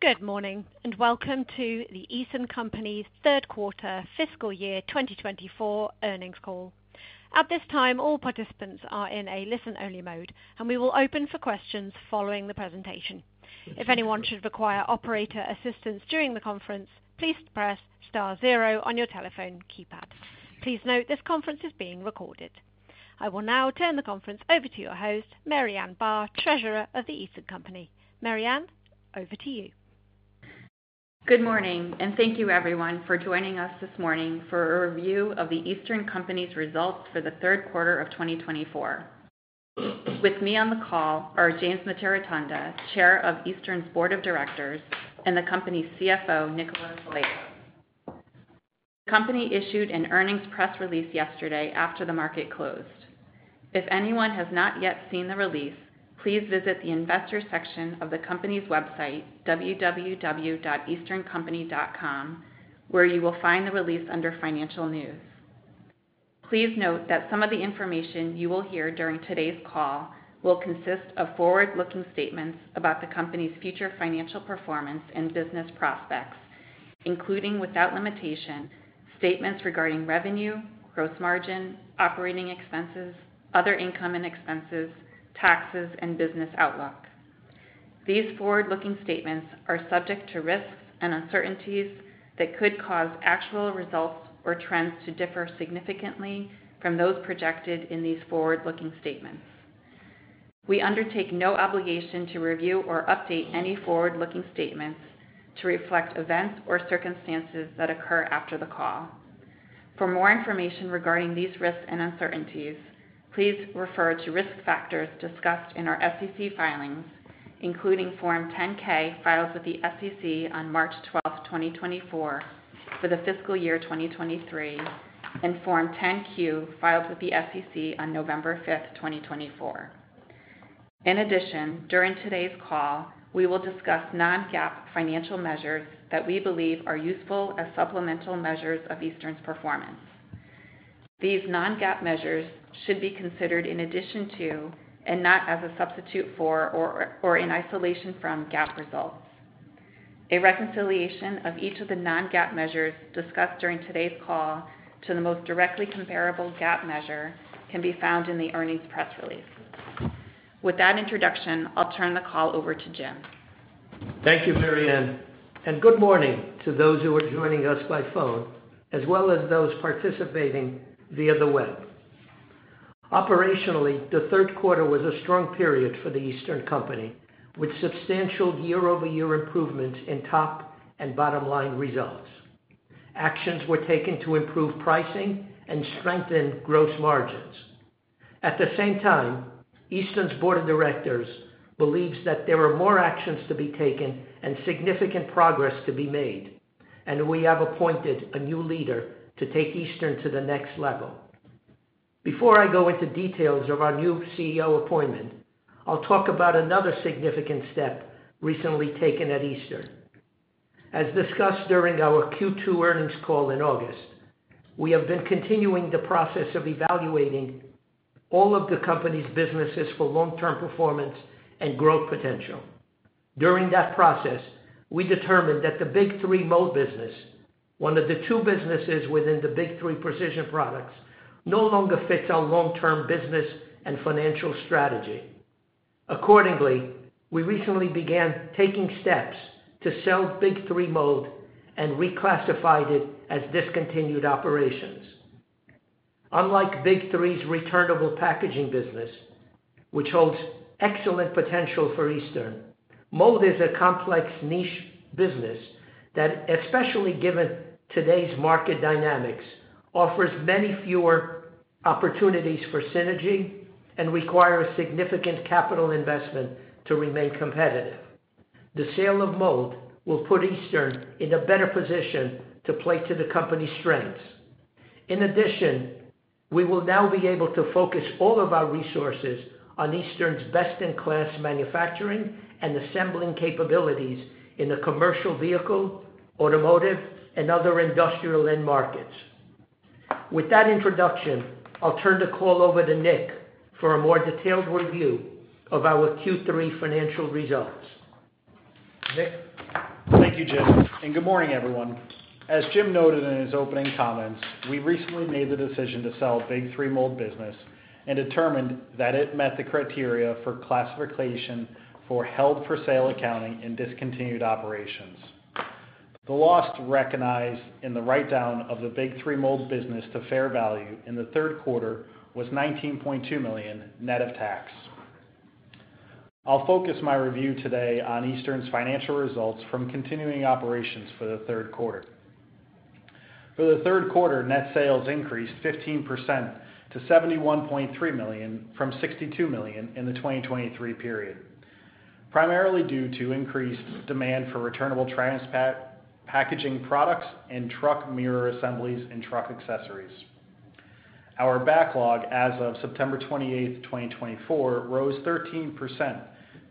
Good morning, and welcome to The Eastern Company's Third Quarter Fiscal Year 2024 Earnings Call. At this time, all participants are in a listen-only mode, and we will open for questions following the presentation. If anyone should require operator assistance during the conference, please press star zero on your telephone keypad. Please note this conference is being recorded. I will now turn the conference over to your host, Marianne Barr, Treasurer of The Eastern Company. Marianne, over to you. Good morning, and thank you everyone for joining us this morning for a review of The Eastern Company's results for the third quarter of 2024. With me on the call are James Mitarotonda, Chair of Eastern's Board of Directors, and the company's CFO, Nicholas Vlahos. The company issued an earnings press release yesterday after the market closed. If anyone has not yet seen the release, please visit the investor section of the company's website, www.easterncompany.com, where you will find the release under financial news. Please note that some of the information you will hear during today's call will consist of forward-looking statements about the company's future financial performance and business prospects, including without limitation statements regarding revenue, gross margin, operating expenses, other income and expenses, taxes, and business outlook. These forward-looking statements are subject to risks and uncertainties that could cause actual results or trends to differ significantly from those projected in these forward-looking statements. We undertake no obligation to review or update any forward-looking statements to reflect events or circumstances that occur after the call. For more information regarding these risks and uncertainties, please refer to risk factors discussed in our SEC filings, including Form 10-K filed with the SEC on March 12, 2024, for the fiscal year 2023, and Form 10-Q filed with the SEC on November 5, 2024. In addition, during today's call, we will discuss non-GAAP financial measures that we believe are useful as supplemental measures of Eastern's performance. These non-GAAP measures should be considered in addition to, and not as a substitute for, or in isolation from, GAAP results. A reconciliation of each of the non-GAAP measures discussed during today's call to the most directly comparable GAAP measure can be found in the earnings press release. With that introduction, I'll turn the call over to Jim. Thank you, Marianne, and good morning to those who are joining us by phone, as well as those participating via the web. Operationally, the third quarter was a strong period for The Eastern Company, with substantial year-over-year improvements in top and bottom-line results. Actions were taken to improve pricing and strengthen gross margins. At the same time, Eastern's Board of Directors believes that there are more actions to be taken and significant progress to be made, and we have appointed a new leader to take Eastern to the next level. Before I go into details of our new CEO appointment, I'll talk about another significant step recently taken at Eastern. As discussed during our Q2 earnings call in August, we have been continuing the process of evaluating all of the company's businesses for long-term performance and growth potential. During that process, we determined that the Big 3 Mold business, one of the two businesses within the Big 3 Precision Products, no longer fits our long-term business and financial strategy. Accordingly, we recently began taking steps to sell Big 3 Mold and reclassified it as discontinued operations. Unlike Big 3's returnable packaging business, which holds excellent potential for Eastern, Mold is a complex niche business that, especially given today's market dynamics, offers many fewer opportunities for synergy and requires significant capital investment to remain competitive. The sale of Mold will put Eastern in a better position to play to the company's strengths. In addition, we will now be able to focus all of our resources on Eastern's best-in-class manufacturing and assembling capabilities in the commercial vehicle, automotive, and other industrial end markets. With that introduction, I'll turn the call over to Nick for a more detailed review of our Q3 financial results. Nick. Thank you, Jim, and good morning, everyone. As Jim noted in his opening comments, we recently made the decision to sell Big 3 Mold business and determined that it met the criteria for classification for held-for-sale accounting and discontinued operations. The loss recognized in the write-down of the Big 3 Mold business to fair value in the third quarter was $19.2 million net of tax. I'll focus my review today on Eastern's financial results from continuing operations for the third quarter. For the third quarter, net sales increased 15% to $71.3 million from $62 million in the 2023 period, primarily due to increased demand for returnable packaging products and truck mirror assemblies and truck accessories. Our backlog as of September 28, 2024, rose 13%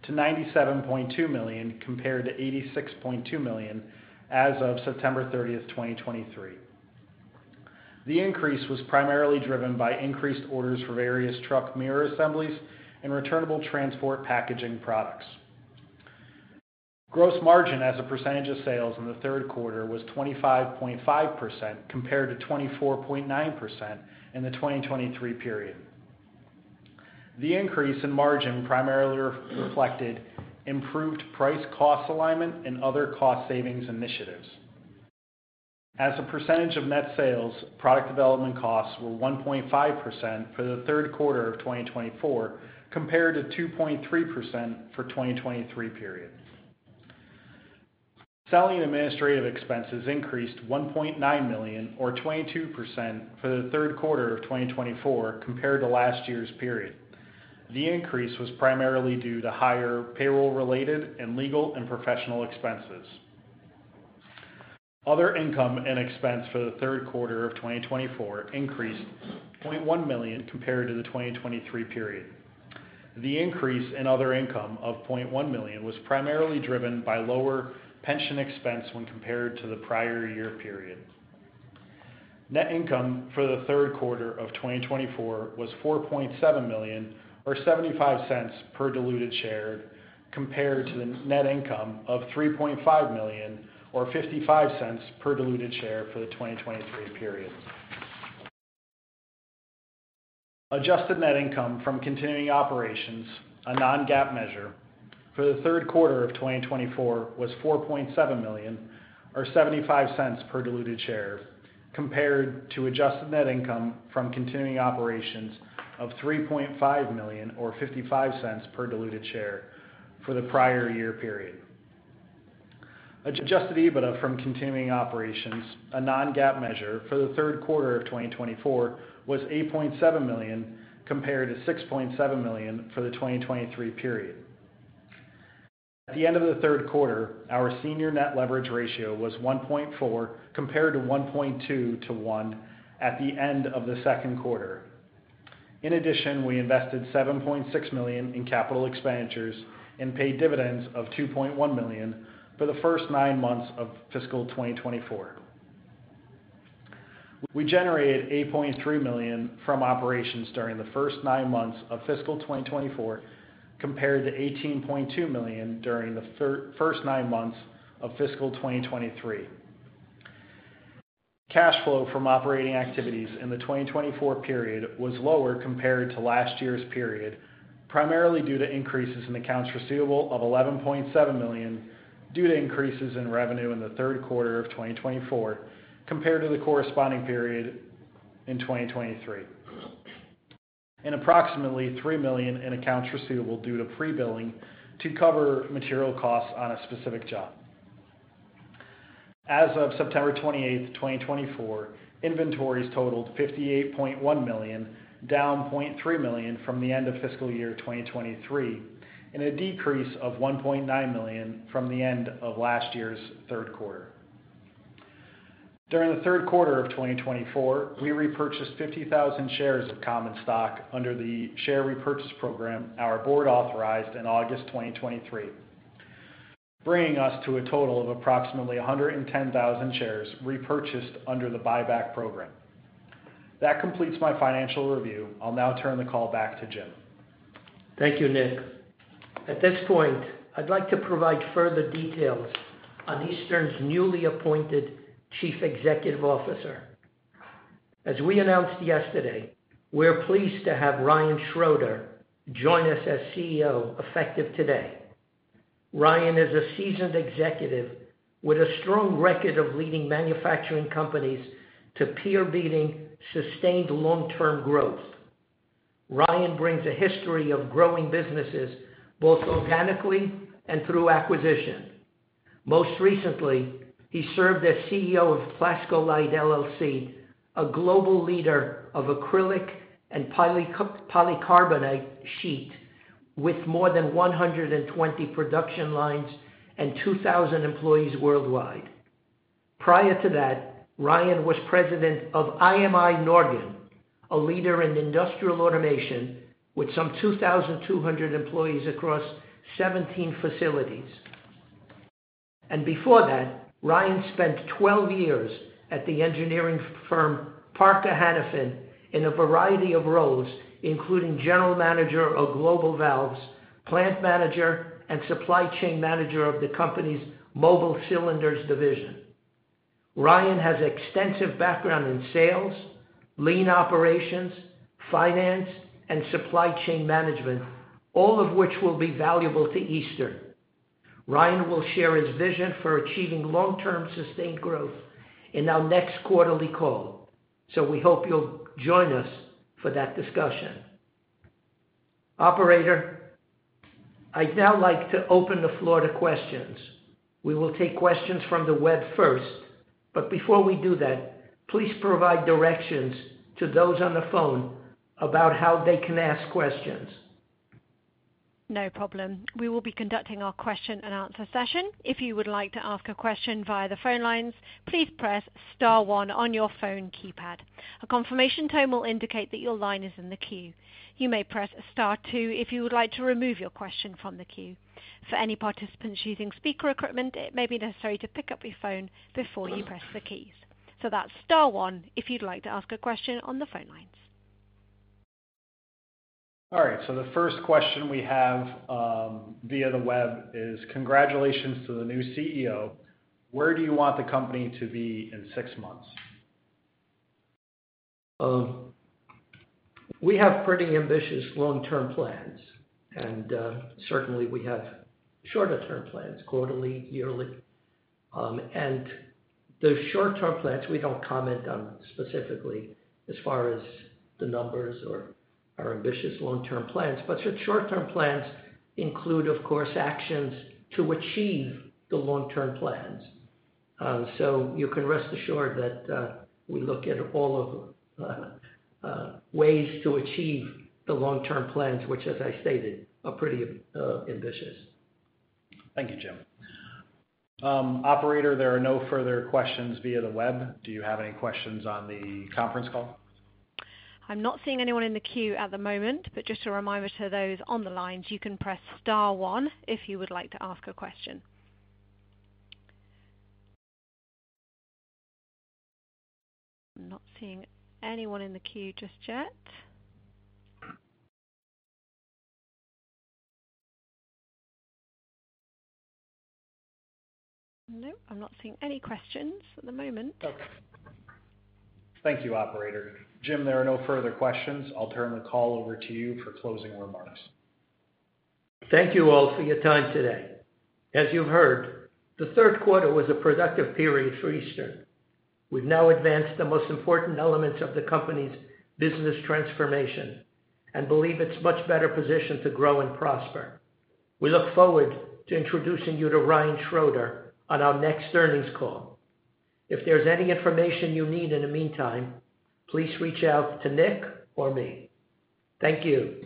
to $97.2 million compared to $86.2 million as of September 30, 2023. The increase was primarily driven by increased orders for various truck mirror assemblies and returnable transport packaging products. Gross margin as a percentage of sales in the third quarter was 25.5% compared to 24.9% in the 2023 period. The increase in margin primarily reflected improved price-cost alignment and other cost savings initiatives. As a percentage of net sales, product development costs were 1.5% for the third quarter of 2024 compared to 2.3% for the 2023 period. Selling administrative expenses increased $1.9 million, or 22%, for the third quarter of 2024 compared to last year's period. The increase was primarily due to higher payroll-related and legal and professional expenses. Other income and expense for the third quarter of 2024 increased $0.1 million compared to the 2023 period. The increase in other income of $0.1 million was primarily driven by lower pension expense when compared to the prior year period. Net income for the third quarter of 2024 was $4.7 million, or $0.75 per diluted share, compared to the net income of $3.5 million, or $0.55 per diluted share for the 2023 period. Adjusted net income from continuing operations, a non-GAAP measure, for the third quarter of 2024 was $4.7 million, or $0.75 per diluted share, compared to adjusted net income from continuing operations of $3.5 million, or $0.55 per diluted share for the prior year period. Adjusted EBITDA from continuing operations, a non-GAAP measure, for the third quarter of 2024 was $8.7 million compared to $6.7 million for the 2023 period. At the end of the third quarter, our senior net leverage ratio was 1.4 compared to 1.2 to 1 at the end of the second quarter. In addition, we invested $7.6 million in capital expenditures and paid dividends of $2.1 million for the first nine months of fiscal 2024. We generated $8.3 million from operations during the first nine months of fiscal 2024 compared to $18.2 million during the first nine months of fiscal 2023. Cash flow from operating activities in the 2024 period was lower compared to last year's period, primarily due to increases in accounts receivable of $11.7 million due to increases in revenue in the third quarter of 2024 compared to the corresponding period in 2023, and approximately $3 million in accounts receivable due to pre-billing to cover material costs on a specific job. As of September 28, 2024, inventories totaled $58.1 million, down $0.3 million from the end of fiscal year 2023, and a decrease of $1.9 million from the end of last year's third quarter. During the third quarter of 2024, we repurchased 50,000 shares of common stock under the share repurchase program our board authorized in August 2023, bringing us to a total of approximately 110,000 shares repurchased under the buyback program. That completes my financial review. I'll now turn the call back to Jim. Thank you, Nick. At this point, I'd like to provide further details on Eastern's newly appointed Chief Executive Officer. As we announced yesterday, we're pleased to have Ryan Schroeder join us as CEO effective today. Ryan is a seasoned executive with a strong record of leading manufacturing companies to peer-beating sustained long-term growth. Ryan brings a history of growing businesses both organically and through acquisition. Most recently, he served as CEO of Plaskolite LLC, a global leader of acrylic and polycarbonate sheet with more than 120 production lines and 2,000 employees worldwide. Prior to that, Ryan was president of IMI Norgren, a leader in industrial automation with some 2,200 employees across 17 facilities. And before that, Ryan spent 12 years at the engineering firm Parker Hannifin in a variety of roles, including General Manager of Global Valves, Plant Manager, and Supply Chain Manager of the company's Mobile Cylinders division. Ryan has extensive background in sales, lean operations, finance, and supply chain management, all of which will be valuable to Eastern. Ryan will share his vision for achieving long-term sustained growth in our next quarterly call, so we hope you'll join us for that discussion. Operator, I'd now like to open the floor to questions. We will take questions from the web first, but before we do that, please provide directions to those on the phone about how they can ask questions. No problem. We will be conducting our question-and-answer session. If you would like to ask a question via the phone lines, please press star one on your phone keypad. A confirmation tone will indicate that your line is in the queue. You may press star two if you would like to remove your question from the queue. For any participants using speaker equipment, it may be necessary to pick up your phone before you press the keys. So that's star one if you'd like to ask a question on the phone lines. All right. So the first question we have via the web is, "Congratulations to the new CEO. Where do you want the company to be in six months? We have pretty ambitious long-term plans, and certainly we have shorter-term plans, quarterly, yearly, and the short-term plans, we don't comment on specifically as far as the numbers or our ambitious long-term plans, but short-term plans include, of course, actions to achieve the long-term plans, so you can rest assured that we look at all of the ways to achieve the long-term plans, which, as I stated, are pretty ambitious. Thank you, Jim. Operator, there are no further questions via the web. Do you have any questions on the conference call? I'm not seeing anyone in the queue at the moment, but just a reminder to those on the lines, you can press star one if you would like to ask a question. I'm not seeing anyone in the queue just yet. Nope, I'm not seeing any questions at the moment. Okay. Thank you, Operator. Jim, there are no further questions. I'll turn the call over to you for closing remarks. Thank you all for your time today. As you've heard, the third quarter was a productive period for Eastern. We've now advanced the most important elements of the company's business transformation and believe it's much better positioned to grow and prosper. We look forward to introducing you to Ryan Schroeder on our next earnings call. If there's any information you need in the meantime, please reach out to Nick or me. Thank you.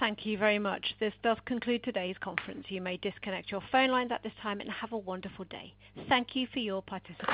Thank you very much. This does conclude today's conference. You may disconnect your phone lines at this time and have a wonderful day. Thank you for your participation.